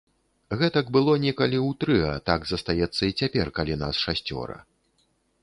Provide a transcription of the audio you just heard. Гэтак было некалі ў трыа, так застаецца і цяпер, калі нас шасцёра.